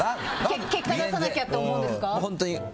結果出さなきゃって思うんですか？